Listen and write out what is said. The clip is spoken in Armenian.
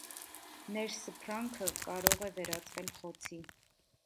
Ներսփռանքը կարող է վերածվել խոցի։